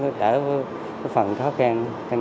đoàn thanh niên phường hòa cường nam